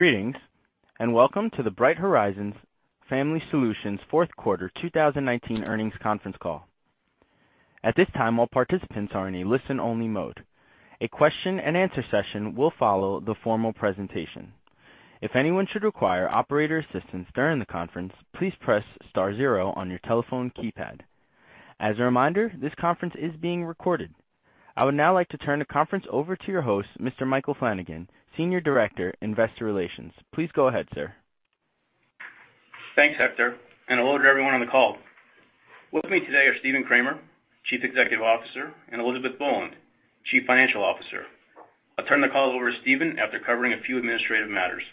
Greetings, and welcome to the Bright Horizons Family Solutions fourth quarter 2019 earnings conference call. At this time, all participants are in a listen-only mode. A question-and-answer session will follow the formal presentation. If anyone should require operator assistance during the conference, please press star zero on your telephone keypad. As a reminder, this conference is being recorded. I would now like to turn the conference over to your host, Mr. Michael Flanagan, Senior Director, Investor Relations. Please go ahead, sir. Thanks, Hector, and hello to everyone on the call. With me today are Stephen Kramer, Chief Executive Officer, and Elizabeth Boland, Chief Financial Officer. I'll turn the call over to Stephen after covering a few administrative matters.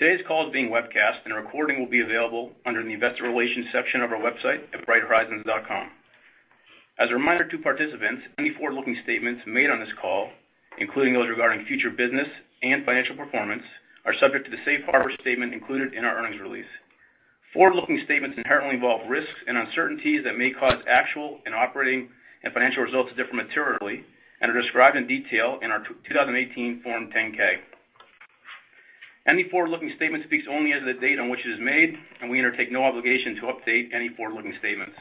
Today's call is being webcast and a recording will be available under the Investor Relations section of our website at brighthorizons.com. As a reminder to participants, any forward-looking statements made on this call, including those regarding future business and financial performance, are subject to the safe harbor statement included in our earnings release. Forward-looking statements inherently involve risks and uncertainties that may cause actual and operating and financial results to differ materially and are described in detail in our 2018 Form 10-K. Any forward-looking statement speaks only as of the date on which it is made, and we undertake no obligation to update any forward-looking statements.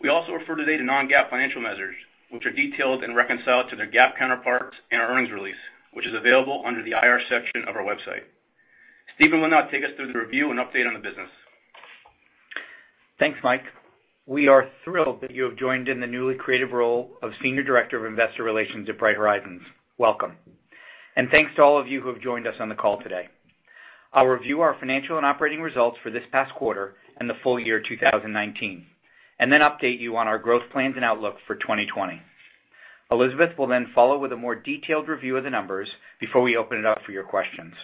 We also refer today to non-GAAP financial measures, which are detailed and reconciled to their GAAP counterparts in our earnings release, which is available under the IR section of our website. Stephen will now take us through the review and update on the business. Thanks, Mike. We are thrilled that you have joined in the newly created role of Senior Director of Investor Relations at Bright Horizons. Welcome. Thanks to all of you who have joined us on the call today. I'll review our financial and operating results for this past quarter and the full year 2019, then update you on our growth plans and outlook for 2020. Elizabeth will then follow with a more detailed review of the numbers before we open it up for your questions.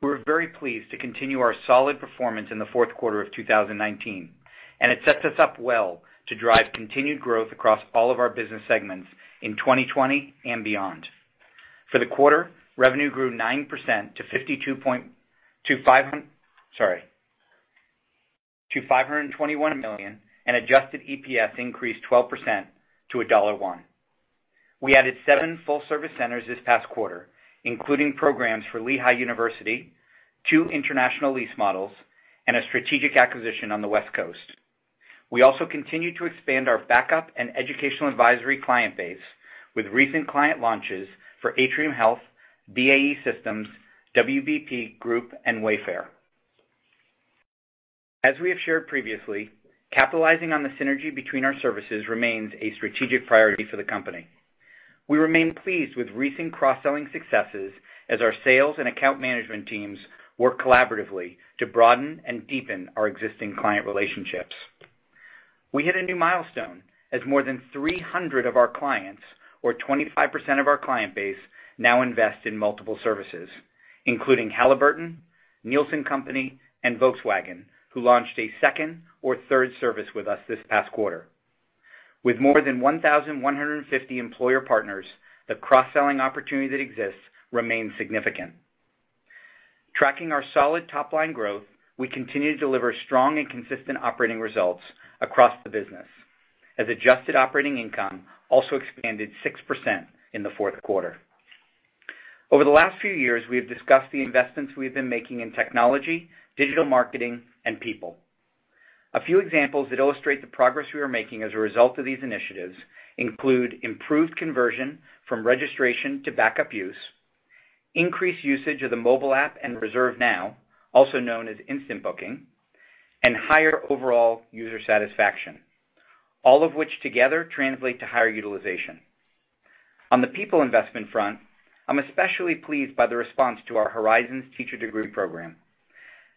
We're very pleased to continue our solid performance in the fourth quarter of 2019, and it sets us up well to drive continued growth across all of our business segments in 2020 and beyond. For the quarter, revenue grew 9% to $521 million, and adjusted EPS increased 12% to $1.01. We added seven full-service centers this past quarter, including programs for Lehigh University, two international lease models, and a strategic acquisition on the West Coast. We also continued to expand our Back-Up and Educational Advisory client base with recent client launches for Atrium Health, BAE Systems, WPP Group, and Wayfair. As we have shared previously, capitalizing on the synergy between our services remains a strategic priority for the company. We remain pleased with recent cross-selling successes as our sales and account management teams work collaboratively to broaden and deepen our existing client relationships. We hit a new milestone as more than 300 of our clients, or 25% of our client base, now invest in multiple services, including Halliburton, Nielsen Company, and Volkswagen, who launched a second or third service with us this past quarter. With more than 1,150 employer partners, the cross-selling opportunity that exists remains significant. Tracking our solid top-line growth, we continue to deliver strong and consistent operating results across the business, as adjusted operating income also expanded 6% in the fourth quarter. Over the last few years, we have discussed the investments we have been making in technology, digital marketing, and people. A few examples that illustrate the progress we are making as a result of these initiatives include improved conversion from registration to Back-Up use, increased usage of the mobile app and Reserve Now, also known as Instant Booking, and higher overall user satisfaction, all of which together translate to higher utilization. On the people investment front, I'm especially pleased by the response to our Horizons Teacher Degree Program.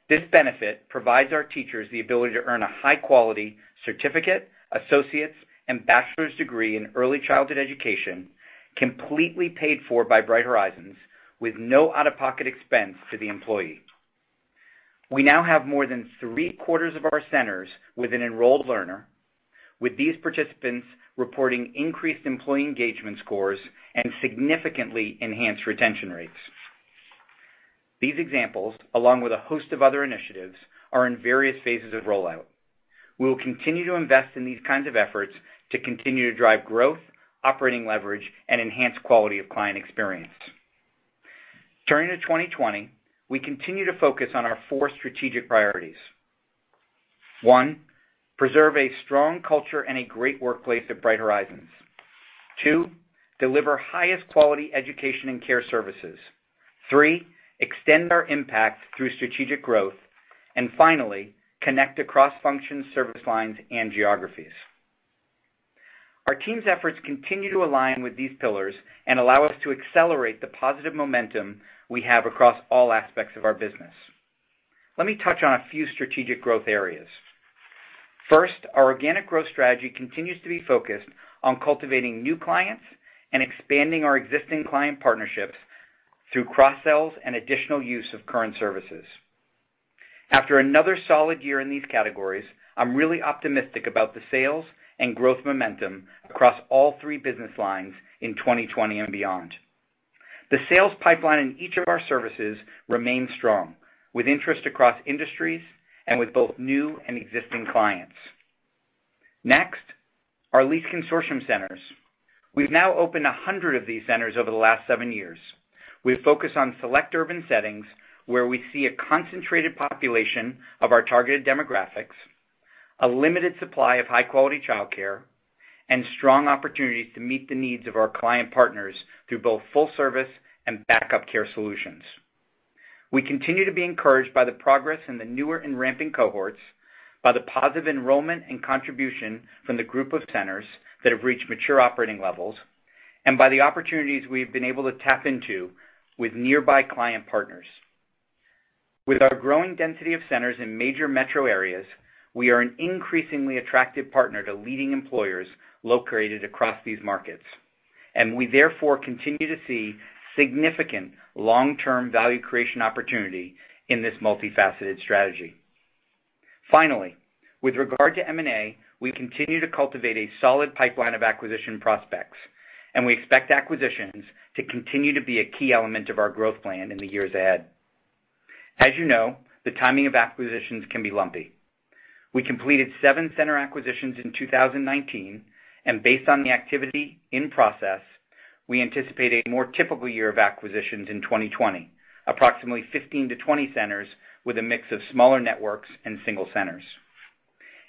This benefit provides our teachers the ability to earn a high-quality certificate, associate's, and bachelor's degree in early childhood education, completely paid for by Bright Horizons with no out-of-pocket expense to the employee. We now have more than three-quarters of our centers with an enrolled learner, with these participants reporting increased employee engagement scores and significantly enhanced retention rates. These examples, along with a host of other initiatives, are in various phases of rollout. We will continue to invest in these kinds of efforts to continue to drive growth, operating leverage, and enhance quality of client experience. Turning to 2020, we continue to focus on our four strategic priorities. One, preserve a strong culture and a great workplace at Bright Horizons. Two, deliver highest quality education and care services. Three, extend our impact through strategic growth. Finally, connect across functions, service lines, and geographies. Our team's efforts continue to align with these pillars and allow us to accelerate the positive momentum we have across all aspects of our business. Let me touch on a few strategic growth areas. First, our organic growth strategy continues to be focused on cultivating new clients and expanding our existing client partnerships through cross-sells and additional use of current services. After another solid year in these categories, I'm really optimistic about the sales and growth momentum across all three business lines in 2020 and beyond. The sales pipeline in each of our services remains strong, with interest across industries and with both new and existing clients. Next, our lease consortium centers. We've now opened 100 of these centers over the last seven years. We have focused on select urban settings where we see a concentrated population of our targeted demographics, a limited supply of high-quality childcare, and strong opportunities to meet the needs of our client partners through both full service and Back-Up Care solutions. We continue to be encouraged by the progress in the newer and ramping cohorts, by the positive enrollment and contribution from the group of centers that have reached mature operating levels, and by the opportunities we've been able to tap into with nearby client partners. With our growing density of centers in major metro areas, we are an increasingly attractive partner to leading employers located across these markets, and we therefore continue to see significant long-term value creation opportunity in this multifaceted strategy. With regard to M&A, we continue to cultivate a solid pipeline of acquisition prospects, and we expect acquisitions to continue to be a key element of our growth plan in the years ahead. As you know, the timing of acquisitions can be lumpy. We completed seven center acquisitions in 2019. Based on the activity in process, we anticipate a more typical year of acquisitions in 2020, approximately 15-20 centers with a mix of smaller networks and single centers.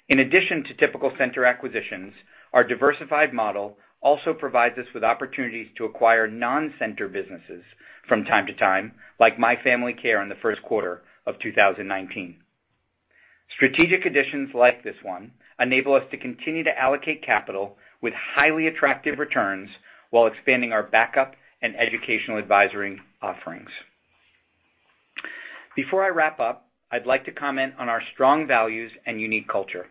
In addition to typical center acquisitions, our diversified model also provides us with opportunities to acquire non-center businesses from time to time, like My Family Care in the first quarter of 2019. Strategic additions like this one enable us to continue to allocate capital with highly attractive returns while expanding our Back-Up and Educational Advisory offerings. Before I wrap up, I'd like to comment on our strong values and unique culture.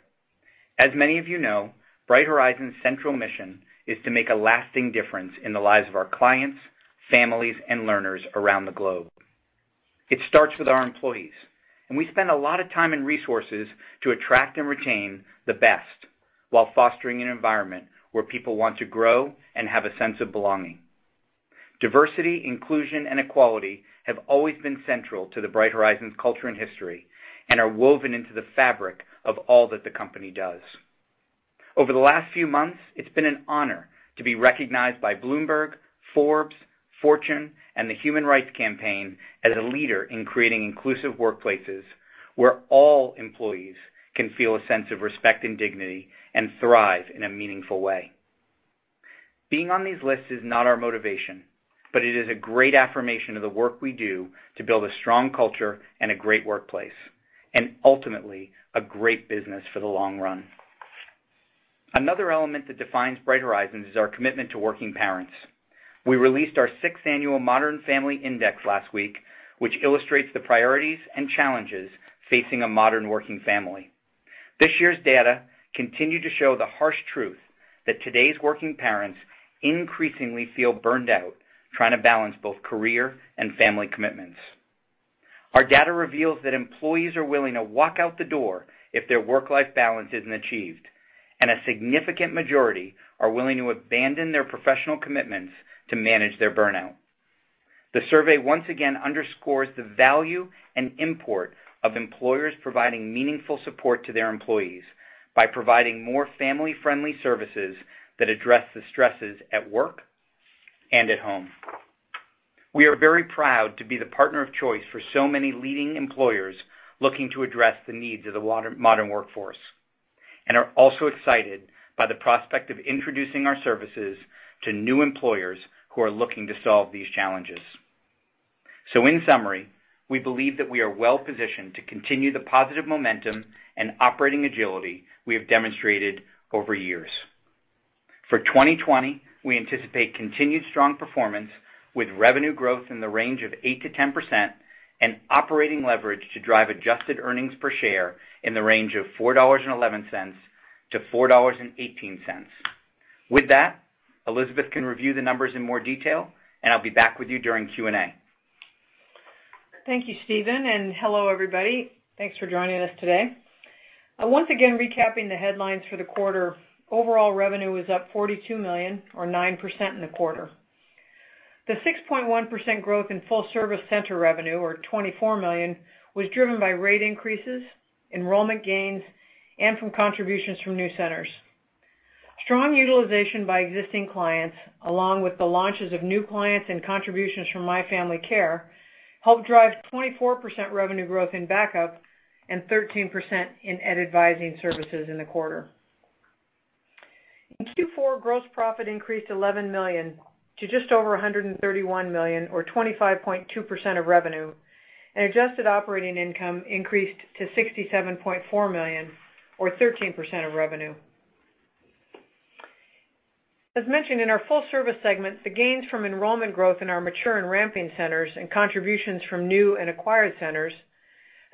As many of you know, Bright Horizons' central mission is to make a lasting difference in the lives of our clients, families, and learners around the globe. It starts with our employees, and we spend a lot of time and resources to attract and retain the best while fostering an environment where people want to grow and have a sense of belonging. Diversity, inclusion, and equality have always been central to the Bright Horizons culture and history and are woven into the fabric of all that the company does. Over the last few months, it's been an honor to be recognized by Bloomberg, Forbes, Fortune, and the Human Rights Campaign as a leader in creating inclusive workplaces where all employees can feel a sense of respect and dignity and thrive in a meaningful way. Being on these lists is not our motivation, but it is a great affirmation of the work we do to build a strong culture and a great workplace, and ultimately, a great business for the long run. Another element that defines Bright Horizons is our commitment to working parents. We released our sixth annual Modern Family Index last week, which illustrates the priorities and challenges facing a modern working family. This year's data continued to show the harsh truth: that today's working parents increasingly feel burned out trying to balance both career and family commitments. Our data reveals that employees are willing to walk out the door if their work-life balance isn't achieved, and a significant majority are willing to abandon their professional commitments to manage their burnout. The survey once again underscores the value and import of employers providing meaningful support to their employees by providing more family-friendly services that address the stresses at work and at home. We are very proud to be the partner of choice for so many leading employers looking to address the needs of the modern workforce and are also excited by the prospect of introducing our services to new employers who are looking to solve these challenges. In summary, we believe that we are well-positioned to continue the positive momentum and operating agility we have demonstrated over years. For 2020, we anticipate continued strong performance with revenue growth in the range of 8%-10% and operating leverage to drive adjusted earnings per share in the range of $4.11-$4.18. With that, Elizabeth can review the numbers in more detail, and I'll be back with you during Q&A. Thank you, Stephen, and hello, everybody. Thanks for joining us today. Once again, recapping the headlines for the quarter, overall revenue was up $42 million or 9% in the quarter. The 6.1% growth in full-service center revenue or $24 million, was driven by rate increases, enrollment gains, and from contributions from new centers. Strong utilization by existing clients, along with the launches of new clients and contributions from My Family Care, helped drive 24% revenue growth in Back-Up and 13% in Ed Advising services in the quarter. In Q4, gross profit increased $11 million to just over $131 million or 25.2% of revenue, and adjusted operating income increased to $67.4 million or 13% of revenue. As mentioned in our Full Service segment, the gains from enrollment growth in our mature and ramping centers and contributions from new and acquired centers,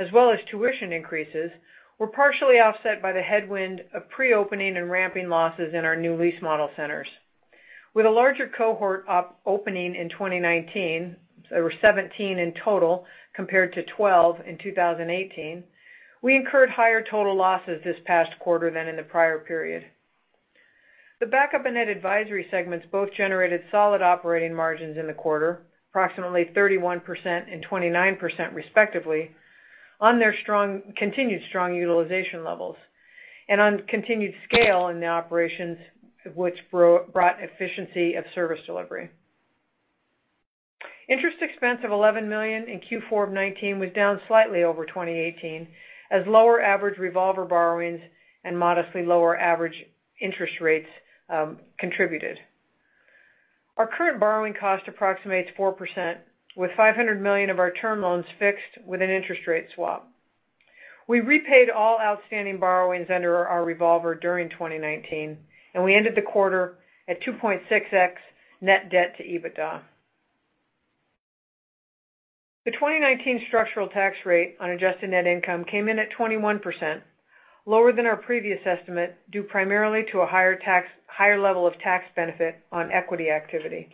as well as tuition increases, were partially offset by the headwind of pre-opening and ramping losses in our new lease model centers. With a larger cohort opening in 2019, there were 17 in total compared to 12 in 2018, we incurred higher total losses this past quarter than in the prior period. The Back-Up and Educational Advisory segments both generated solid operating margins in the quarter, approximately 31% and 29% respectively, on their continued strong utilization levels and on continued scale in the operations, which brought efficiency of service delivery. Interest expense of $11 million in Q4 of 2019 was down slightly over 2018 as lower average revolver borrowings and modestly lower average interest rates contributed. Our current borrowing cost approximates 4%, with $500 million of our term loans fixed with an interest rate swap. We repaid all outstanding borrowings under our revolver during 2019, and we ended the quarter at 2.6x net debt to EBITDA. The 2019 structural tax rate on adjusted net income came in at 21%, lower than our previous estimate, due primarily to a higher level of tax benefit on equity activity.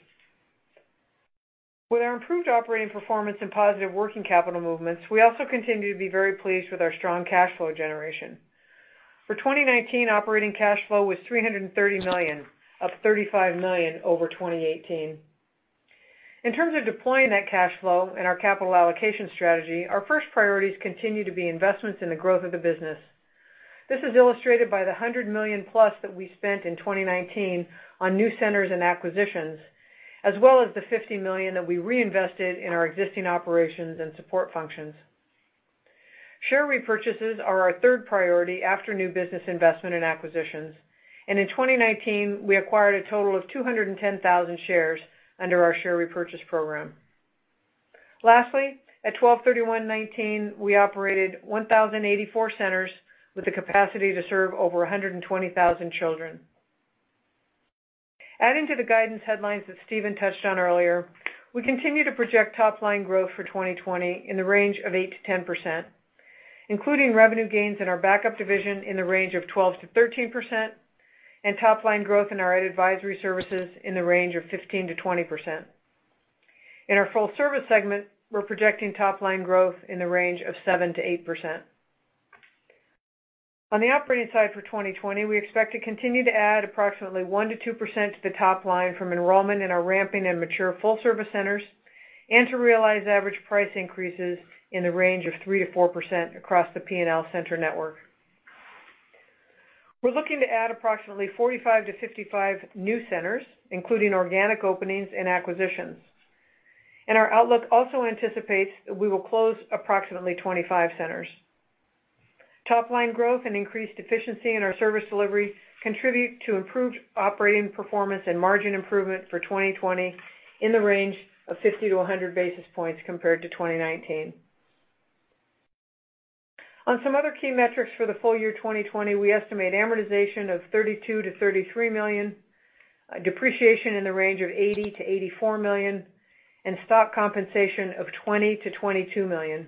With our improved operating performance and positive working capital movements, we also continue to be very pleased with our strong cash flow generation. For 2019, operating cash flow was $330 million, up $35 million over 2018. In terms of deploying that cash flow and our capital allocation strategy, our first priorities continue to be investments in the growth of the business. This is illustrated by the $100 million-plus that we spent in 2019 on new centers and acquisitions, as well as the $50 million that we reinvested in our existing operations and support functions. Share repurchases are our third priority after new business investment and acquisitions. In 2019, we acquired a total of 210,000 shares under our share repurchase program. Lastly, at 12/31/2019, we operated 1,084 centers with the capacity to serve over 120,000 children. Adding to the guidance headlines that Stephen touched on earlier, we continue to project top-line growth for 2020 in the range of 8%-10%, including revenue gains in our Back-Up division in the range of 12%-13% and top-line growth in our Educational Advisory services in the range of 15%-20%. In our full service segment, we're projecting top-line growth in the range of 7%-8%. On the operating side for 2020, we expect to continue to add approximately 1%-2% to the top line from enrollment in our ramping and mature full-service centers and to realize average price increases in the range of 3%-4% across the P&L center network. Our outlook also anticipates that we will close approximately 25 centers. Top-line growth and increased efficiency in our service delivery contribute to improved operating performance and margin improvement for 2020 in the range of 50-100 basis points compared to 2019. On some other key metrics for the full year 2020, we estimate amortization of $32 million-$33 million, depreciation in the range of $80 million-$84 million, and stock compensation of $20 million-$22 million.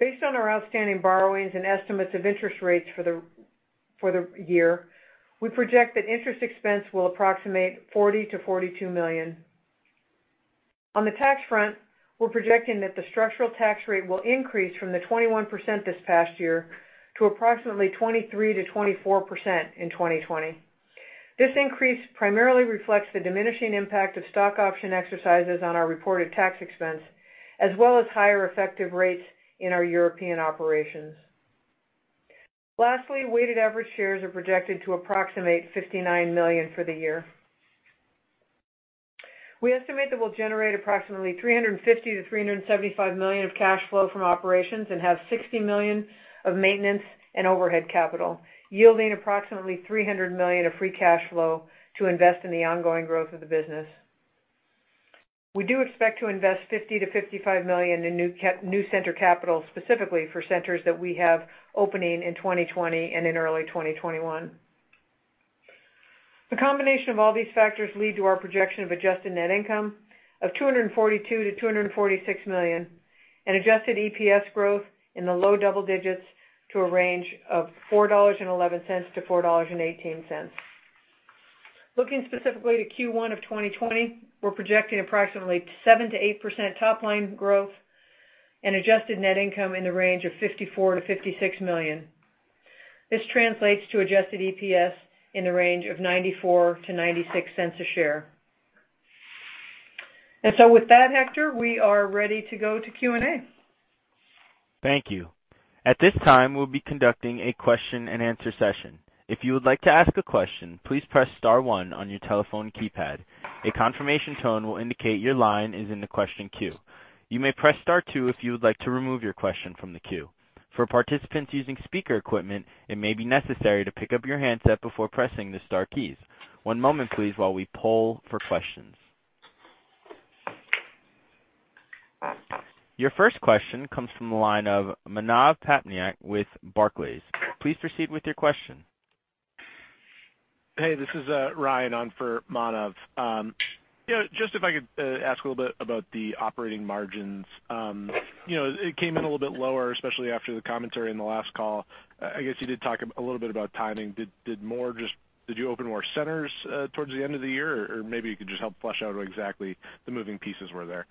Based on our outstanding borrowings and estimates of interest rates for the year, we project that interest expense will approximate $40 million-$42 million. On the tax front, we're projecting that the structural tax rate will increase from the 21% this past year to approximately 23%-24% in 2020. This increase primarily reflects the diminishing impact of stock option exercises on our reported tax expense, as well as higher effective rates in our European operations. Lastly, weighted average shares are projected to approximate $59 million for the year. We estimate that we'll generate approximately $350 million-$375 million of cash flow from operations and have $60 million of maintenance and overhead capital, yielding approximately $300 million of free cash flow to invest in the ongoing growth of the business. We do expect to invest $50 million-$55 million in new center capital, specifically for centers that we have opening in 2020 and in early 2021. The combination of all these factors lead to our projection of adjusted net income of $242 million-$246 million and adjusted EPS growth in the low double digits to a range of $4.11-$4.18. Looking specifically to Q1 of 2020, we're projecting approximately 7%-8% top-line growth and adjusted net income in the range of $54 million-$56 million. This translates to adjusted EPS in the range of $0.94-$0.96 a share. With that, Hector, we are ready to go to Q&A. Thank you. At this time, we'll be conducting a question-and-answer session. If you would like to ask a question, please press star one on your telephone keypad. A confirmation tone will indicate your line is in the question queue. You may press star two if you would like to remove your question from the queue. For participants using speaker equipment, it may be necessary to pick up your handset before pressing the star keys. One moment, please, while we poll for questions. Your first question comes from the line of Manav Patnaik with Barclays. Please proceed with your question. Hey, this is Ryan on for Manav. If I could ask a little bit about the operating margins. It came in a little bit lower, especially after the commentary in the last call. I guess you did talk a little bit about timing. Did you open more centers towards the end of the year? Maybe you could just help flesh out exactly the moving pieces were there.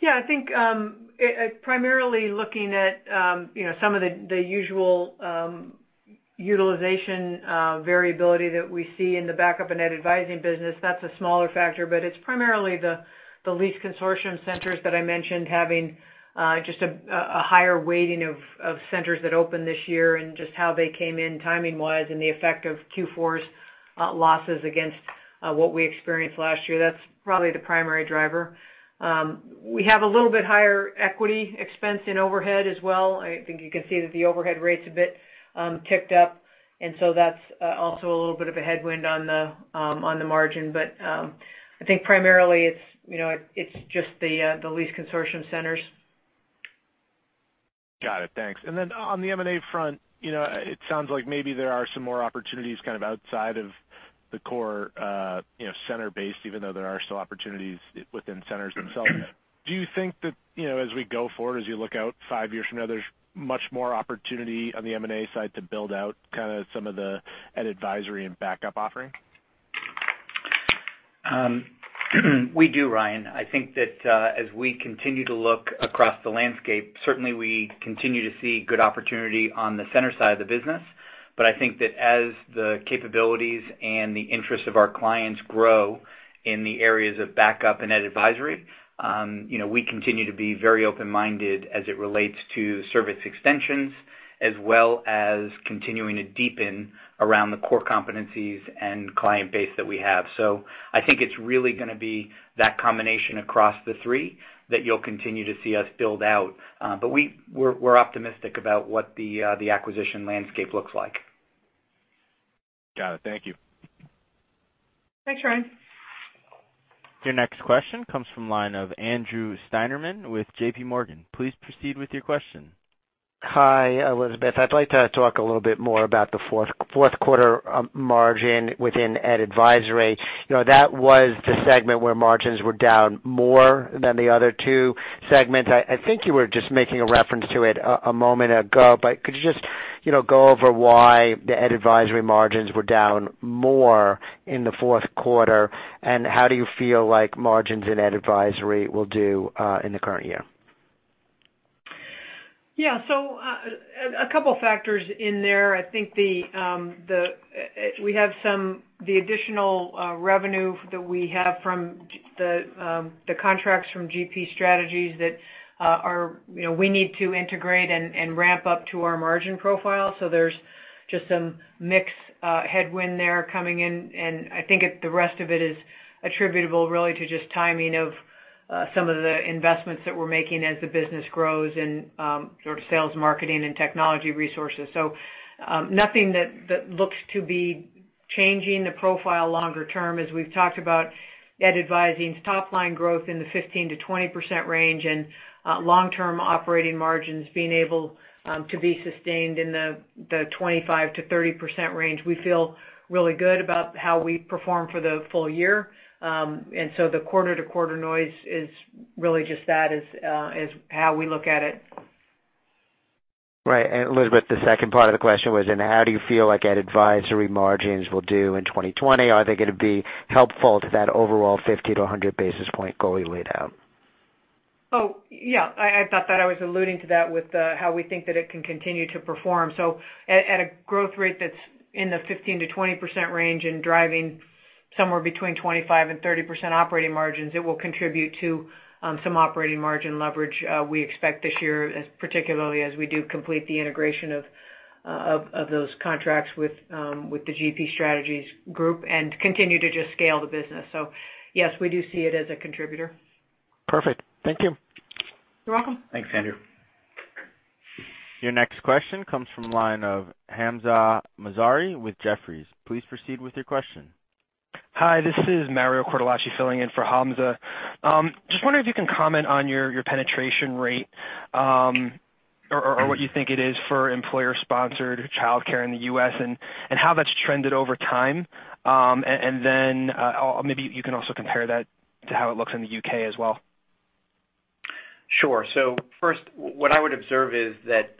Yeah, I think, primarily looking at some of the usual utilization variability that we see in the Back-Up and Ed Advisory business, that's a smaller factor. It's primarily the lease consortium centers that I mentioned having just a higher weighting of centers that opened this year and just how they came in timing-wise and the effect of Q4's losses against what we experienced last year. That's probably the primary driver. We have a little bit higher equity expense in overhead as well. I think you can see that the overhead rate's a bit ticked up, and so that's also a little bit of a headwind on the margin. I think primarily it's just the lease consortium centers. Got it. Thanks. On the M&A front, it sounds like maybe there are some more opportunities kind of outside of the core center-based, even though there are still opportunities within centers themselves. Do you think that, as we go forward, as you look out five years from now, there's much more opportunity on the M&A side to build out kind of some of the Educational Advisory and Back-Up offering? We do, Ryan. I think that as we continue to look across the landscape, certainly we continue to see good opportunity on the center side of the business. I think that as the capabilities and the interests of our clients grow in the areas of Back-Up and Ed Advisory, we continue to be very open-minded as it relates to service extensions as well as continuing to deepen around the core competencies and client base that we have. I think it's really going to be that combination across the three that you'll continue to see us build out. We're optimistic about what the acquisition landscape looks like. Got it. Thank you. Thanks, Ryan. Your next question comes from line of Andrew Steinerman with JPMorgan. Please proceed with your question. Hi, Elizabeth. I'd like to talk a little bit more about the fourth quarter margin within Ed Advisory. That was the segment where margins were down more than the other two segments. I think you were just making a reference to it a moment ago, could you just go over why the Ed Advisory margins were down more in the fourth quarter, and how do you feel like margins in Ed Advisory will do in the current year? Yeah. A couple of factors in there. I think the additional revenue that we have from the contracts from GP Strategies that we need to integrate and ramp up to our margin profile. There's just some mix headwind there coming in, and I think the rest of it is attributable really to just timing of some of the investments that we're making as the business grows and sort of sales, marketing, and technology resources. Nothing that looks to be changing the profile longer term. As we've talked about Ed Advising's top line growth in the 15%-20% range and long-term operating margins being able to be sustained in the 25%-30% range. We feel really good about how we perform for the full year. The quarter-to-quarter noise is really just that, is how we look at it. Right. Elizabeth, the second part of the question was, how do you feel like Ed Advisory margins will do in 2020? Are they going to be helpful to that overall 50 to 100 basis point goal you laid out? Oh, yeah. I thought that I was alluding to that with how we think that it can continue to perform. At a growth rate that's in the 15%-20% range and driving somewhere between 25% and 30% operating margins, it will contribute to some operating margin leverage. We expect this year, particularly as we do complete the integration of those contracts with the GP Strategies group and continue to just scale the business. Yes, we do see it as a contributor. Perfect. Thank you. You're welcome. Thanks, Andrew. Your next question comes from line of Hamzah Mazari with Jefferies. Please proceed with your question. Hi, this is Mario Cortellacci filling in for Hamzah. Just wondering if you can comment on your penetration rate or what you think it is for employer-sponsored childcare in the U.S. and how that's trended over time. Then maybe you can also compare that to how it looks in the U.K. as well. Sure. First, what I would observe is that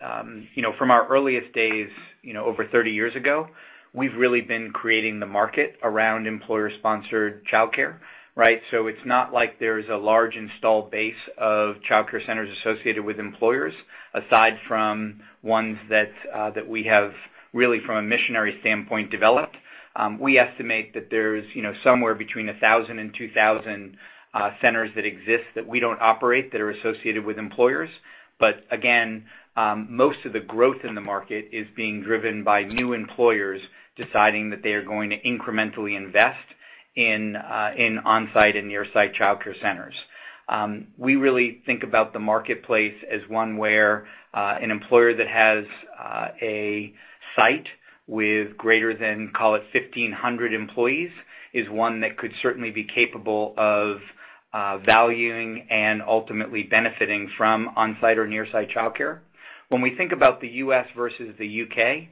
from our earliest days over 30 years ago, we've really been creating the market around employer-sponsored child-care, right? It's not like there's a large installed base of child-care centers associated with employers aside from ones that we have really from a missionary standpoint developed. We estimate that there's somewhere between 1,000 and 2,000 centers that exist that we don't operate that are associated with employers. Again, most of the growth in the market is being driven by new employers deciding that they are going to incrementally invest in on-site and near-site child-care centers. We really think about the marketplace as one where an employer that has a site with greater than, call it 1,500 employees, is one that could certainly be capable of valuing and ultimately benefiting from on-site or near-site child-care. When we think about the U.S. versus the U.K.,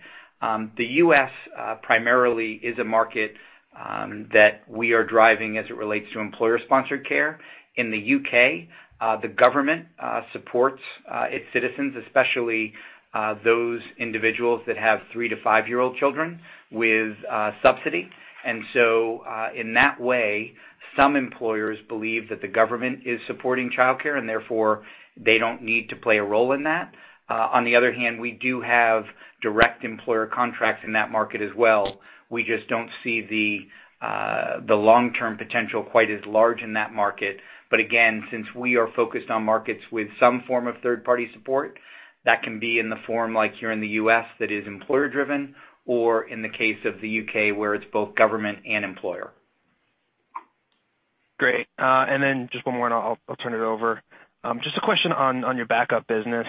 the U.S. primarily is a market that we are driving as it relates to employer-sponsored care. In the U.K., the government supports its citizens, especially those individuals that have three to five-year-old children, with subsidy. In that way, some employers believe that the government is supporting childcare and therefore they don't need to play a role in that. On the other hand, we do have direct employer contracts in that market as well. We just don't see the long-term potential quite as large in that market. Again, since we are focused on markets with some form of third-party support, that can be in the form like here in the U.S. that is employer-driven, or in the case of the U.K., where it's both government and employer. Great. Just one more and I'll turn it over. Just a question on your Back-Up business.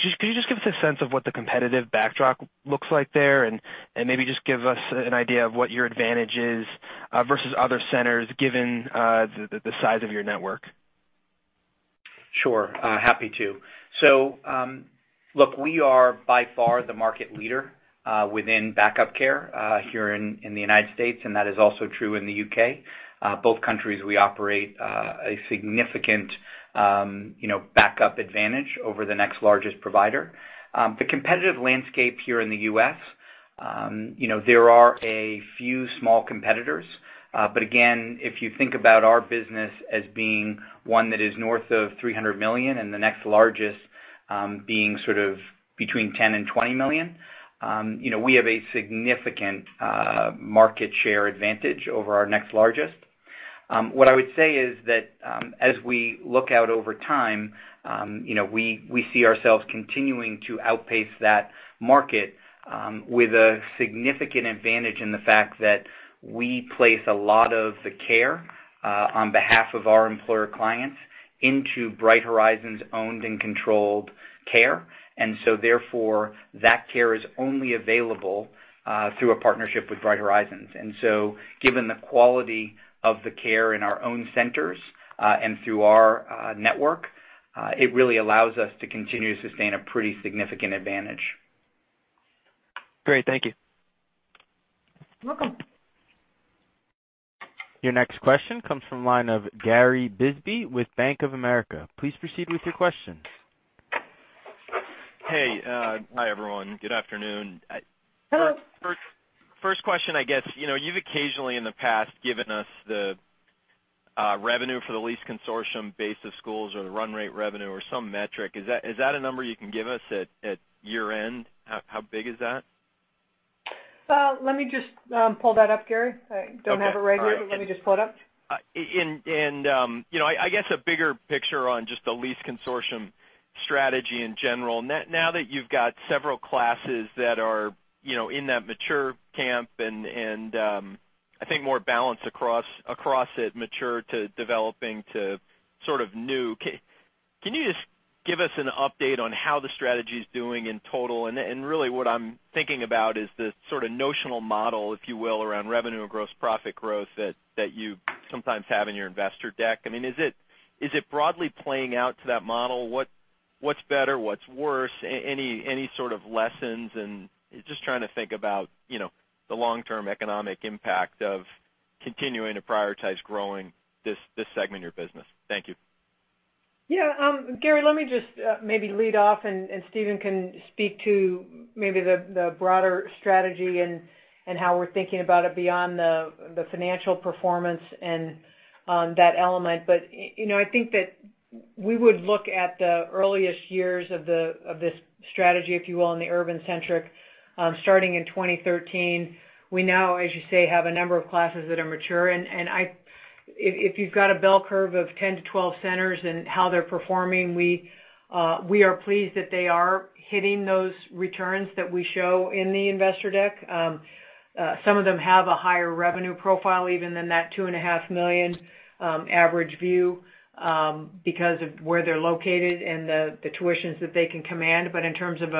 Can you just give us a sense of what the competitive backdrop looks like there? Maybe just give us an idea of what your advantage is versus other centers, given the size of your network. Sure. Happy to. Look, we are by far the market leader within Back-Up Care here in the U.S., and that is also true in the U.K. Both countries, we operate a significant Back-Up advantage over the next largest provider. The competitive landscape here in the U.S., there are a few small competitors. Again, if you think about our business as being one that is north of $300 million and the next largest being between $10 million and $20 million, we have a significant market share advantage over our next largest. What I would say is that as we look out over time, we see ourselves continuing to outpace that market with a significant advantage in the fact that we place a lot of the care on behalf of our employer clients into Bright Horizons owned and controlled care. Therefore, that care is only available through a partnership with Bright Horizons. Given the quality of the care in our own centers and through our network, it really allows us to continue to sustain a pretty significant advantage. Great. Thank you. You're welcome. Your next question comes from the line of Gary Bisbee with Bank of America. Please proceed with your question. Hey. Hi, everyone. Good afternoon. Hello. First question, I guess. You've occasionally in the past given us the revenue for the lease consortium base of schools or the run rate revenue or some metric. Is that a number you can give us at year-end? How big is that? Let me just pull that up, Gary. Okay. All right. I don't have it right here, let me just pull it up. I guess a bigger picture on just the lease consortium strategy in general. Now that you've got several classes that are in that mature camp and I think more balanced across it, mature to developing to sort of new, can you just give us an update on how the strategy's doing in total? Really what I'm thinking about is the notional model, if you will, around revenue or gross profit growth that you sometimes have in your investor deck. Is it broadly playing out to that model? What's better, what's worse? Any sort of lessons? Just trying to think about the long-term economic impact of continuing to prioritize growing this segment of your business. Thank you. Yeah. Gary, let me just maybe lead off, and Stephen can speak to maybe the broader strategy and how we're thinking about it beyond the financial performance and that element. I think that we would look at the earliest years of this strategy, if you will, in the urban centric, starting in 2013. We now, as you say, have a number of classes that are mature, and if you've got a bell curve of 10-12 centers and how they're performing, we are pleased that they are hitting those returns that we show in the investor deck. Some of them have a higher revenue profile even than that $ 2.5 million average view because of where they're located and the tuitions that they can command. In terms of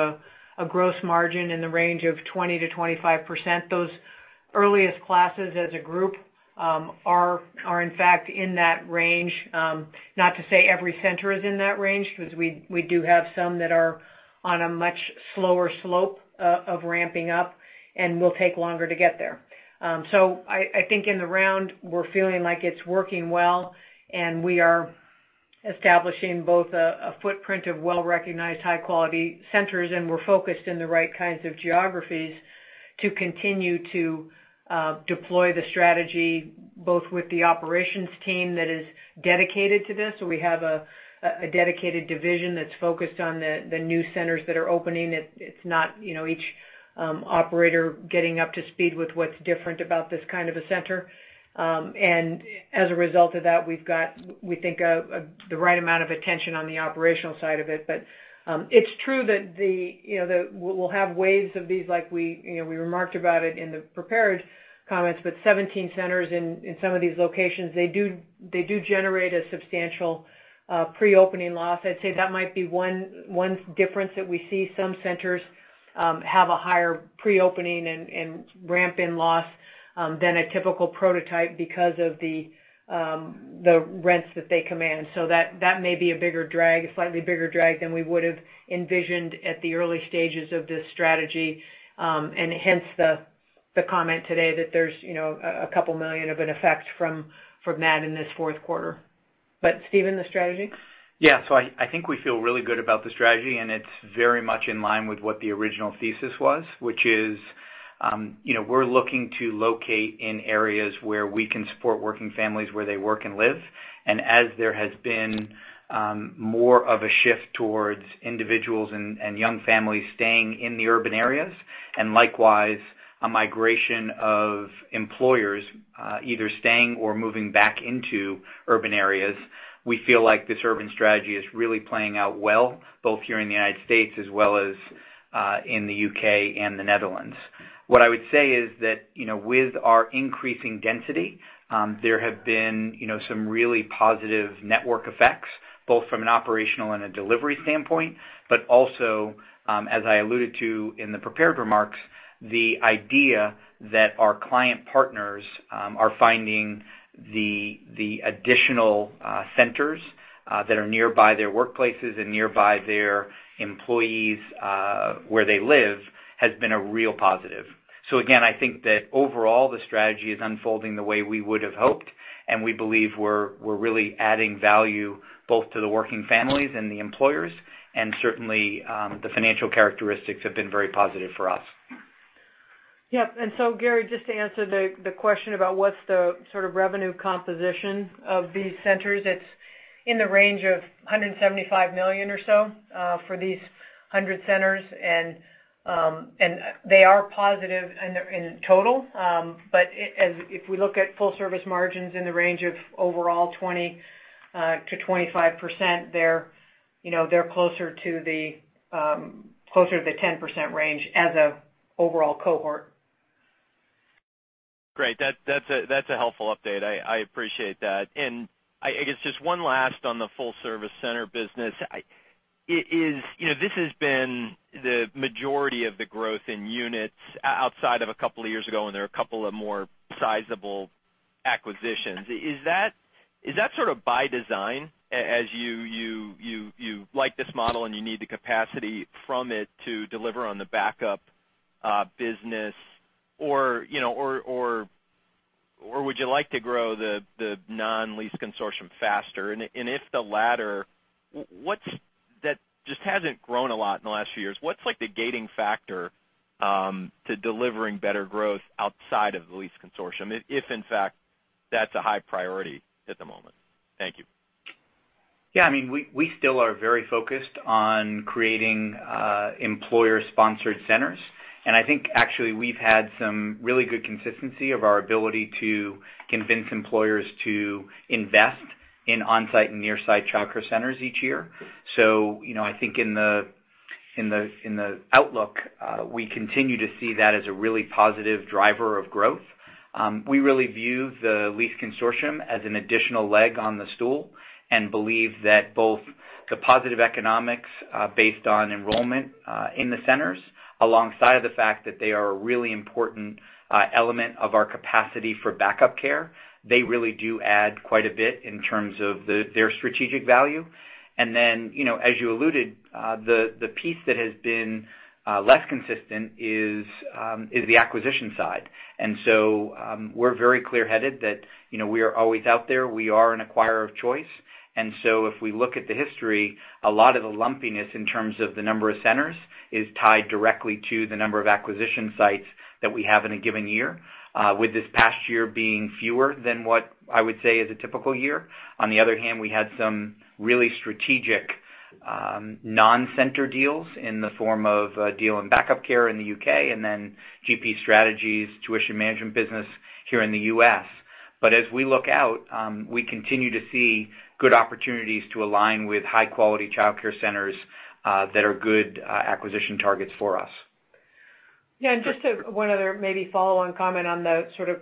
a gross margin in the range of 20%-25%, those earliest classes as a group are in fact in that range. Not to say every center is in that range, because we do have some that are on a much slower slope of ramping up and will take longer to get there. I think in the round, we're feeling like it's working well, and we are establishing both a footprint of well-recognized, high-quality centers, and we're focused in the right kinds of geographies to continue to deploy the strategy, both with the operations team that is dedicated to this. We have a dedicated division that's focused on the new centers that are opening. It's not each operator getting up to speed with what's different about this kind of a center. As a result of that, we've got, we think, the right amount of attention on the operational side of it. It's true that we'll have waves of these, like we remarked about it in the prepared comments, but 17 centers in some of these locations, they do generate a substantial pre-opening loss. I'd say that might be one difference that we see. Some centers have a higher pre-opening and ramp in loss than a typical prototype because of the rents that they command. That may be a slightly bigger drag than we would have envisioned at the early stages of this strategy. Hence the comment today that there's a couple million of an effect from that in this fourth quarter. Stephen, the strategy? I think we feel really good about the strategy, it's very much in line with what the original thesis was, which is we're looking to locate in areas where we can support working families where they work and live. As there has been more of a shift towards individuals and young families staying in the urban areas, and likewise, a migration of employers either staying or moving back into urban areas, we feel like this urban strategy is really playing out well, both here in the U.S. as well as in the U.K. and the Netherlands. What I would say is that with our increasing density, there have been some really positive network effects, both from an operational and a delivery standpoint, but also, as I alluded to in the prepared remarks, the idea that our client partners are finding the additional centers that are nearby their workplaces and nearby their employees where they live has been a real positive. Again, I think that overall, the strategy is unfolding the way we would have hoped, and we believe we're really adding value both to the working families and the employers, and certainly, the financial characteristics have been very positive for us. Yep. Gary, just to answer the question about what's the sort of revenue composition of these centers, it's in the range of $175 million or so for these 100 centers, and they are positive in total. If we look at full-service margins in the range of overall 20%-25%, they're closer to the 10% range as an overall cohort. Great. That's a helpful update. I appreciate that. I guess just one last on the full service center business. This has been the majority of the growth in units outside of a couple of years ago, and there are a couple of more sizable acquisitions. Is that sort of by design as you like this model and you need the capacity from it to deliver on the Back-Up business? Or would you like to grow the non-lease consortium faster? If the latter, that just hasn't grown a lot in the last few years, what's the gating factor to delivering better growth outside of the lease consortium, if in fact, that's a high priority at the moment? Thank you. Yeah, we still are very focused on creating employer-sponsored centers. I think, actually, we've had some really good consistency of our ability to convince employers to invest in on-site and near-site childcare centers each year. I think in the outlook, we continue to see that as a really positive driver of growth. We really view the lease consortium as an additional leg on the stool and believe that both the positive economics based on enrollment in the centers, alongside the fact that they are a really important element of our capacity for Back-Up Care, they really do add quite a bit in terms of their strategic value. As you alluded, the piece that has been less consistent is the acquisition side. We're very clear-headed that we are always out there. We are an acquirer of choice. If we look at the history, a lot of the lumpiness in terms of the number of centers is tied directly to the number of acquisition sites that we have in a given year, with this past year being fewer than what I would say is a typical year. On the other hand, we had some really strategic non-center deals in the form of a deal in Back-Up Care in the U.K. and then GP Strategies' tuition management business here in the U.S. As we look out, we continue to see good opportunities to align with high-quality childcare centers that are good acquisition targets for us. Yeah, just one other maybe follow-on comment on the sort of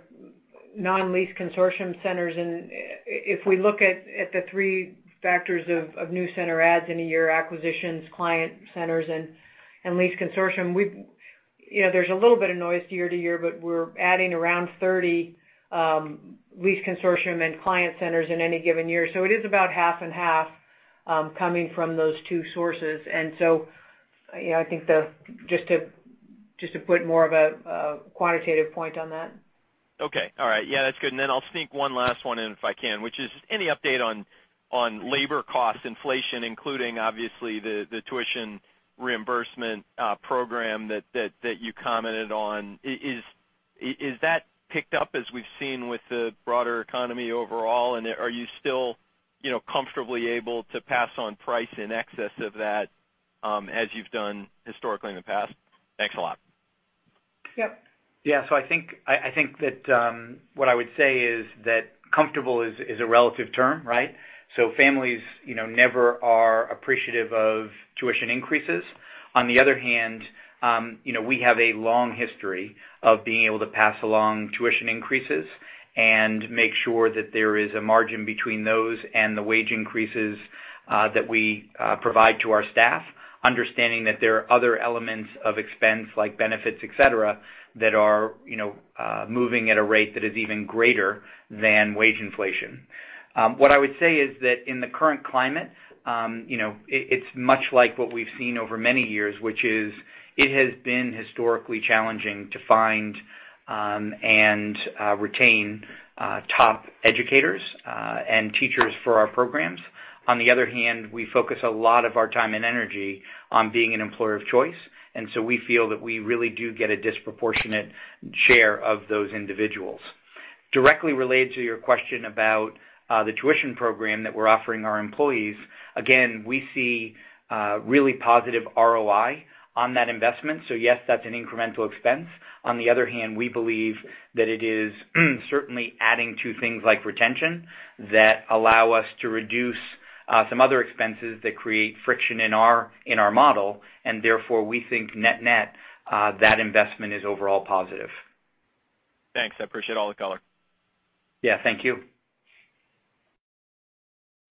non-lease consortium centers. If we look at the three factors of new center adds in a year, acquisitions, client centers, and lease consortium, there's a little bit of noise year-to-year, but we're adding around 30 lease consortium and client centers in any given year. It is about half and half coming from those two sources. I think just to put more of a quantitative point on that. Okay. All right. Yeah, that's good. Then I'll sneak one last one in if I can, which is any update on labor cost inflation, including obviously the tuition reimbursement program that you commented on. Is that picked up as we've seen with the broader economy overall, and are you still comfortably able to pass on price in excess of that as you've done historically in the past? Thanks a lot. Yep. Yeah. I think that what I would say is that comfortable is a relative term, right? Families never are appreciative of tuition increases. On the other hand, we have a long history of being able to pass along tuition increases and make sure that there is a margin between those and the wage increases that we provide to our staff, understanding that there are other elements of expense, like benefits, et cetera, that are moving at a rate that is even greater than wage inflation. What I would say is that in the current climate, it's much like what we've seen over many years, which is, it has been historically challenging to find and retain top educators and teachers for our programs. On the other hand, we focus a lot of our time and energy on being an employer of choice, and so we feel that we really do get a disproportionate share of those individuals. Directly related to your question about the tuition program that we're offering our employees, again, we see really positive ROI on that investment. Yes, that's an incremental expense. On the other hand, we believe that it is certainly adding to things like retention that allow us to reduce some other expenses that create friction in our model, and therefore, we think net-net, that investment is overall positive. Thanks. I appreciate all the color. Yeah. Thank you.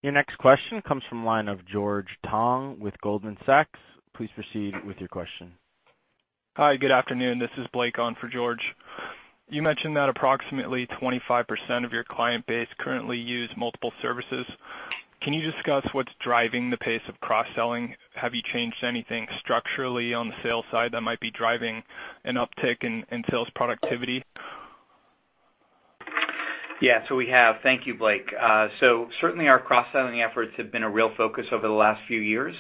Your next question comes from the line of George Tong with Goldman Sachs. Please proceed with your question. Hi, good afternoon. This is Blake on for George. You mentioned that approximately 25% of your client base currently use multiple services. Can you discuss what's driving the pace of cross-selling? Have you changed anything structurally on the sales side that might be driving an uptick in sales productivity? Yeah. We have. Thank you, Blake. Certainly, our cross-selling efforts have been a real focus over the last few years.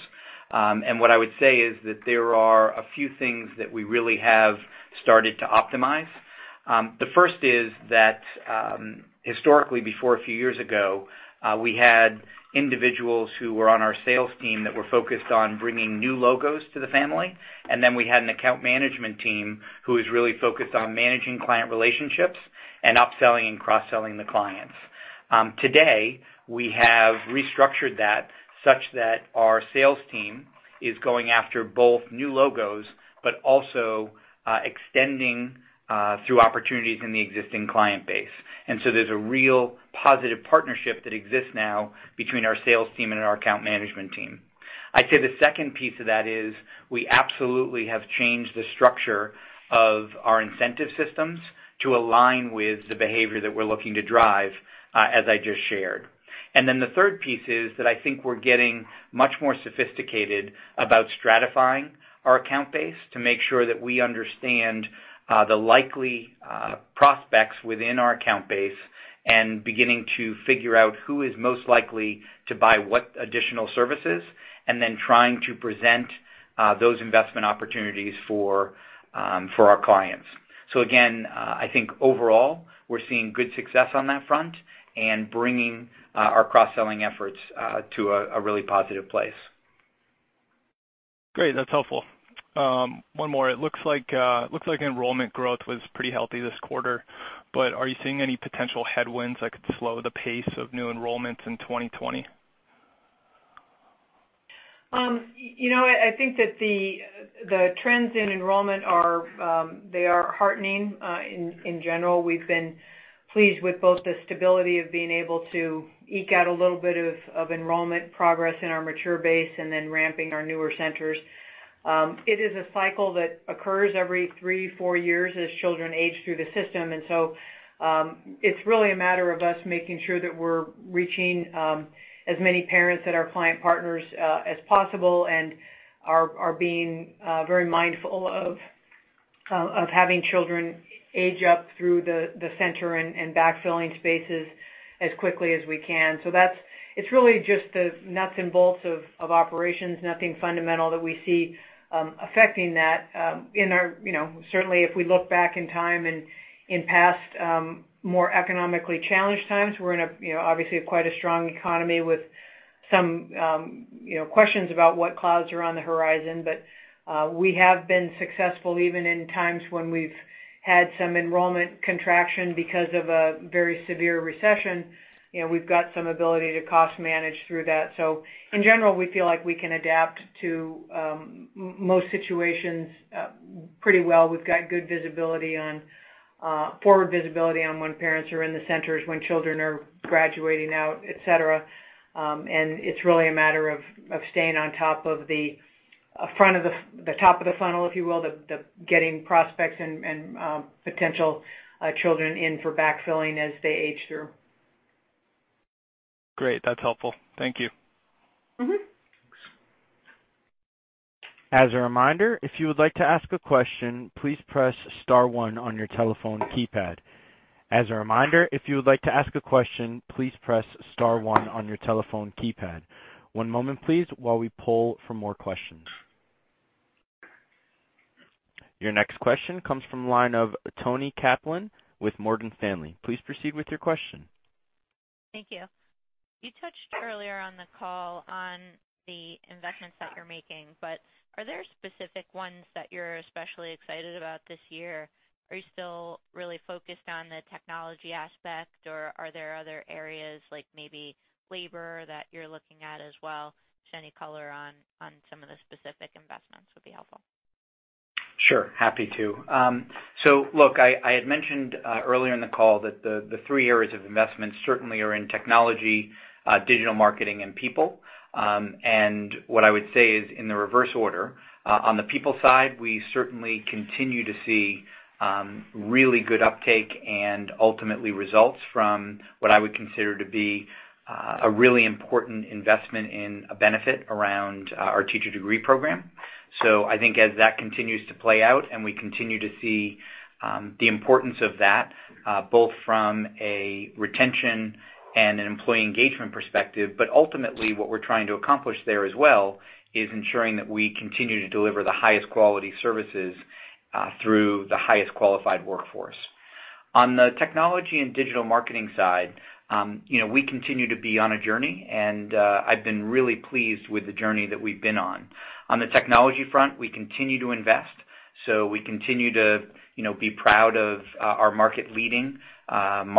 What I would say is that there are a few things that we really have started to optimize. The first is that, historically, before a few years ago, we had individuals who were on our sales team that were focused on bringing new logos to the family, and then we had an account management team who was really focused on managing client relationships and upselling and cross-selling the clients. Today, we have restructured that such that our sales team is going after both new logos, but also extending through opportunities in the existing client base. There's a real positive partnership that exists now between our sales team and our account management team. I'd say the second piece of that is we absolutely have changed the structure of our incentive systems to align with the behavior that we're looking to drive, as I just shared. The third piece is that I think we're getting much more sophisticated about stratifying our account base to make sure that we understand the likely prospects within our account base and beginning to figure out who is most likely to buy what additional services, and then trying to present those investment opportunities for our clients. Again, I think overall, we're seeing good success on that front and bringing our cross-selling efforts to a really positive place. Great. That's helpful. One more. It looks like enrollment growth was pretty healthy this quarter, but are you seeing any potential headwinds that could slow the pace of new enrollments in 2020? I think that the trends in enrollment are heartening, in general. We've been pleased with both the stability of being able to eke out a little bit of enrollment progress in our mature base and then ramping our newer centers. It is a cycle that occurs every three, four years as children age through the system. It's really a matter of us making sure that we're reaching as many parents at our client partners as possible and are being very mindful of having children age up through the center and backfilling spaces as quickly as we can. It's really just the nuts and bolts of operations, nothing fundamental that we see affecting that. Certainly, if we look back in time in past, more economically challenged times, we're in, obviously, quite a strong economy with some questions about what clouds are on the horizon. We have been successful even in times when we've had some enrollment contraction because of a very severe recession. We've got some ability to cost manage through that. In general, we feel like we can adapt to most situations pretty well. We've got good forward visibility on when parents are in the centers, when children are graduating out, et cetera. It's really a matter of staying on top of the funnel, if you will, the getting prospects and potential children in for backfilling as they age through. Great. That's helpful. Thank you. As a reminder, if you would like to ask a question, please press star one on your telephone keypad. One moment, please, while we pull for more questions. Your next question comes from the line of Toni Kaplan with Morgan Stanley. Please proceed with your question. Thank you. You touched earlier on the call on the investments that you're making, but are there specific ones that you're especially excited about this year? Are you still really focused on the technology aspect, or are there other areas, like maybe labor, that you're looking at as well? Just any color on some of the specific investments would be helpful. Sure. Happy to. Look, I had mentioned earlier in the call that the three areas of investment certainly are in technology, digital marketing and people. What I would say is in the reverse order, on the people side, we certainly continue to see really good uptake and ultimately results from what I would consider to be a really important investment in a benefit around our Teacher Degree Program. I think as that continues to play out and we continue to see the importance of that, both from a retention and an employee engagement perspective, but ultimately what we're trying to accomplish there as well, is ensuring that we continue to deliver the highest quality services through the highest qualified workforce. On the technology and digital marketing side, we continue to be on a journey, and I've been really pleased with the journey that we've been on. On the technology front, we continue to invest. We continue to be proud of our market-leading mobile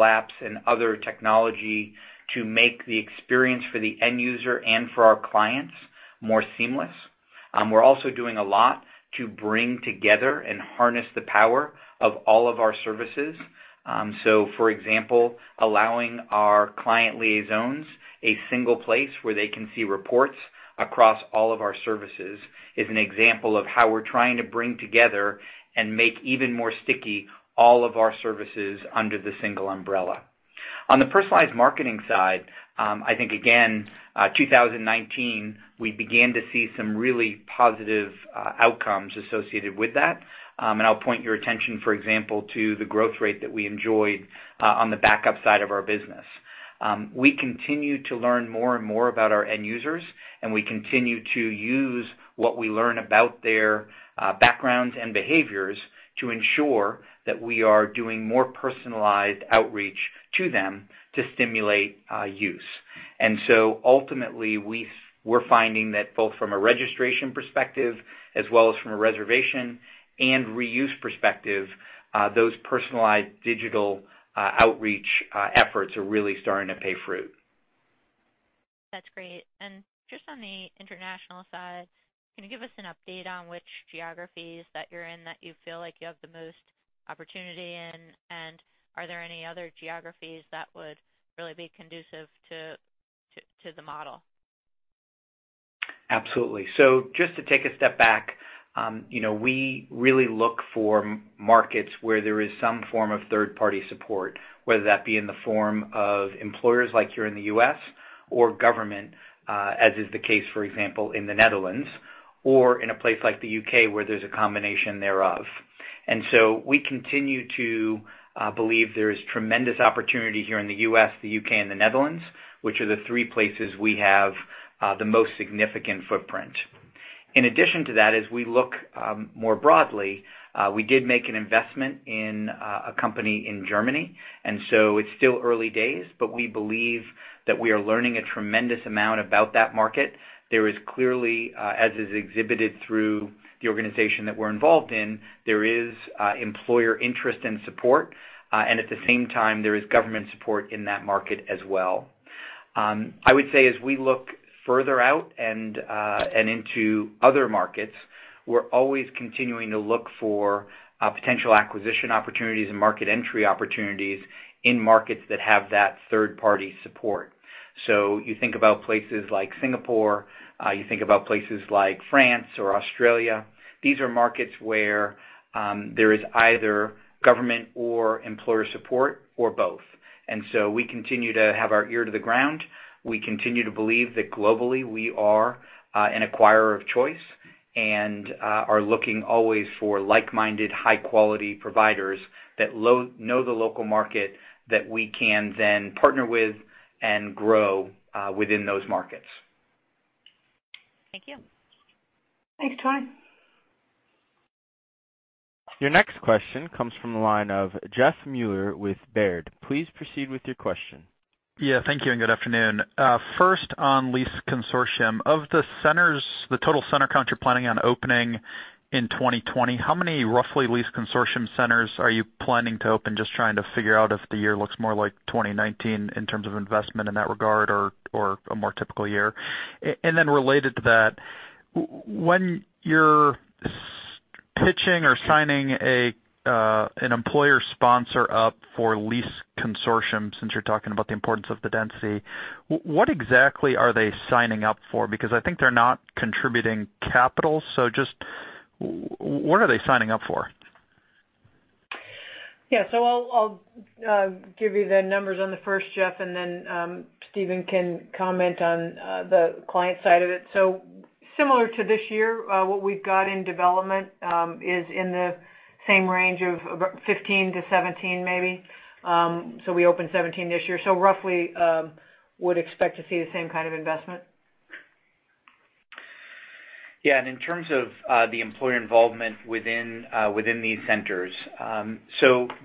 apps and other technology to make the experience for the end user and for our clients more seamless. We're also doing a lot to bring together and harness the power of all of our services. For example, allowing our client liaisons a single place where they can see reports across all of our services is an example of how we're trying to bring together and make even more sticky all of our services under the single umbrella. On the personalized marketing side, I think again, 2019, we began to see some really positive outcomes associated with that. I'll point your attention, for example, to the growth rate that we enjoyed on the Back-Up side of our business. We continue to learn more and more about our end users, and we continue to use what we learn about their backgrounds and behaviors to ensure that we are doing more personalized outreach to them to stimulate use. Ultimately, we're finding that both from a registration perspective as well as from a reservation and reuse perspective, those personalized digital outreach efforts are really starting to pay fruit. That's great. Just on the international side, can you give us an update on which geographies that you're in that you feel like you have the most opportunity in? Are there any other geographies that would really be conducive to the model? Absolutely. Just to take a step back, we really look for markets where there is some form of third-party support, whether that be in the form of employers like here in the U.S. or government, as is the case, for example, in the Netherlands or in a place like the U.K. where there's a combination thereof. We continue to believe there is tremendous opportunity here in the U.S., the U.K., and the Netherlands, which are the three places we have the most significant footprint. In addition to that, as we look more broadly, we did make an investment in a company in Germany, it's still early days, but we believe that we are learning a tremendous amount about that market. There is clearly, as is exhibited through the organization that we're involved in, there is employer interest and support, and at the same time, there is government support in that market as well. I would say as we look further out and into other markets, we're always continuing to look for potential acquisition opportunities and market entry opportunities in markets that have that third-party support. You think about places like Singapore, you think about places like France or Australia. These are markets where there is either government or employer support or both. We continue to have our ear to the ground. We continue to believe that globally we are an acquirer of choice and are looking always for like-minded, high-quality providers that know the local market that we can then partner with and grow within those markets. Thank you. Thanks, Toni. Your next question comes from the line of Jeff Meuler with Baird. Please proceed with your question. Yeah, thank you and good afternoon. First on lease consortium. Of the centers, the total center count you're planning on opening in 2020, how many roughly lease consortium centers are you planning to open? Just trying to figure out if the year looks more like 2019 in terms of investment in that regard or a more typical year. Related to that, when you're pitching or signing an employer sponsor up for lease consortium, since you're talking about the importance of the density, what exactly are they signing up for? Because I think they're not contributing capital. Just what are they signing up for? Yeah. I'll give you the numbers on the first, Jeff, and then Stephen can comment on the client side of it. Similar to this year, what we've got in development is in the same range of 15-17, maybe. We opened 17 this year, so roughly would expect to see the same kind of investment. In terms of the employer involvement within these centers,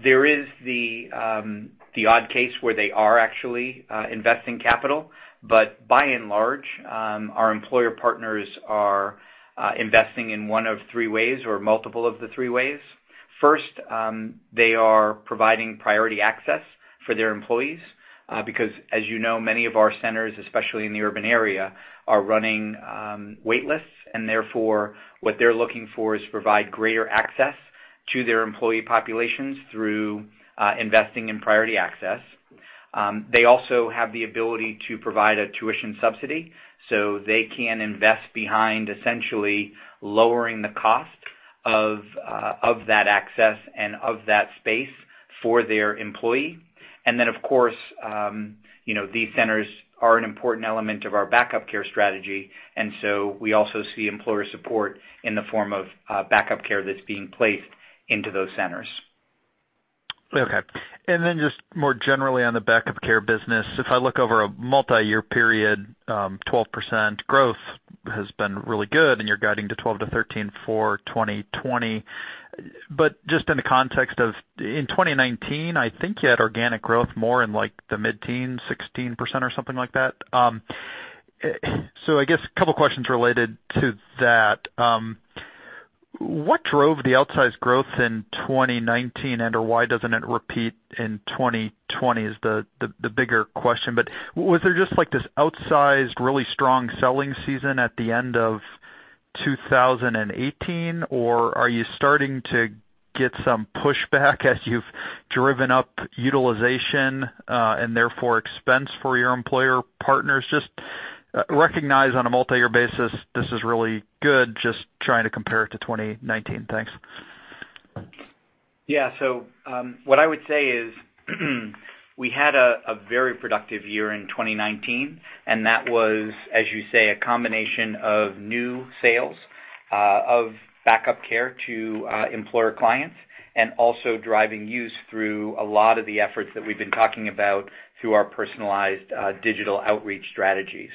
there is the odd case where they are actually investing capital. By and large, our employer partners are investing in one of three ways or multiple of the three ways. First, they are providing priority access for their employees because as you know, many of our centers, especially in the urban area, are running waitlists, and therefore what they're looking for is to provide greater access to their employee populations through investing in priority access. They also have the ability to provide a tuition subsidy so they can invest behind essentially lowering the cost of that access and of that space for their employee. Of course, these centers are an important element of our Back-Up Care strategy, and so we also see employer support in the form of Back-Up Care that's being placed into those centers. Just more generally on the Back-Up Care business, if I look over a multi-year period, 12% growth has been really good, and you're guiding to 12%-13% for 2020. Just in the context of, in 2019, I think you had organic growth more in like the mid-teens, 16% or something like that. I guess a couple of questions related to that. What drove the outsized growth in 2019? Or why doesn't it repeat in 2020, is the bigger question. Was there just this outsized, really strong selling season at the end of 2018? Are you starting to get some pushback as you've driven up utilization, and therefore expense for your employer partners? Just recognize on a multi-year basis, this is really good. Just trying to compare it to 2019. Thanks. What I would say is, we had a very productive year in 2019, and that was, as you say, a combination of new sales of Back-Up Care to employer clients, and also driving use through a lot of the efforts that we've been talking about through our personalized digital outreach strategies.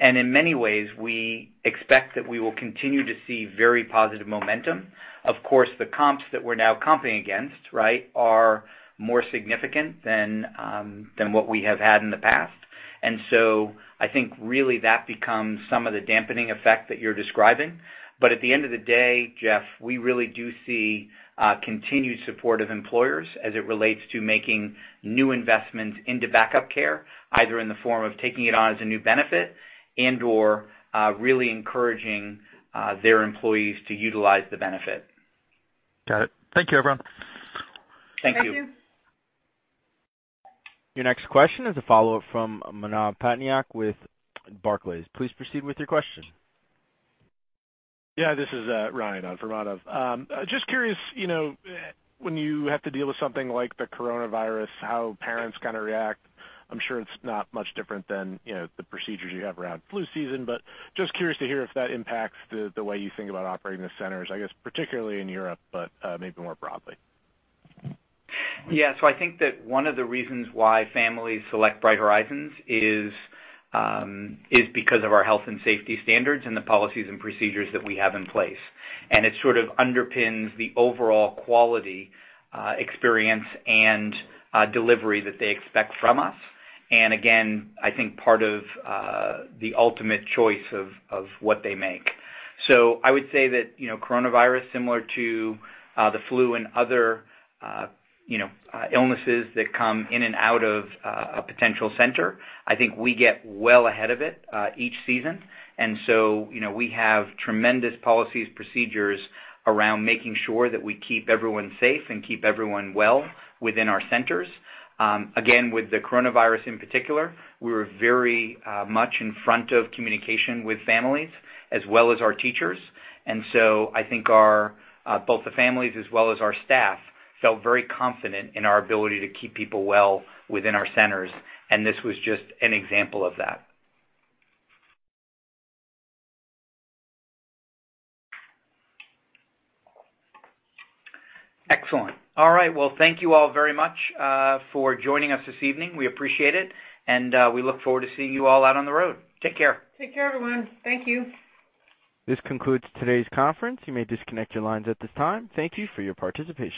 In many ways, we expect that we will continue to see very positive momentum. Of course, the comps that we're now comping against are more significant than what we have had in the past. I think really that becomes some of the dampening effect that you're describing. At the end of the day, Jeff, we really do see continued support of employers as it relates to making new investments into Back-Up Care, either in the form of taking it on as a new benefit and/or really encouraging their employees to utilize the benefit. Got it. Thank you, everyone. Thank you. Thank you. Your next question is a follow-up from Manav Patnaik with Barclays. Please proceed with your question. Yeah, this is Ryan on for Manav. Just curious, when you have to deal with something like the coronavirus, how parents kind of react. I'm sure it's not much different than the procedures you have around flu season, but just curious to hear if that impacts the way you think about operating the centers, I guess particularly in Europe, but maybe more broadly. Yeah. I think that one of the reasons why families select Bright Horizons is because of our health and safety standards and the policies and procedures that we have in place. It sort of underpins the overall quality, experience, and delivery that they expect from us. Again, I think part of the ultimate choice of what they make. I would say that coronavirus, similar to the flu and other illnesses that come in and out of a potential center, I think we get well ahead of it each season. We have tremendous policies, procedures around making sure that we keep everyone safe and keep everyone well within our centers. Again, with the coronavirus in particular, we were very much in front of communication with families as well as our teachers. I think both the families as well as our staff felt very confident in our ability to keep people well within our centers, and this was just an example of that. Excellent. All right. Well, thank you all very much for joining us this evening. We appreciate it, and we look forward to seeing you all out on the road. Take care. Take care, everyone. Thank you. This concludes today's conference. You may disconnect your lines at this time. Thank you for your participation.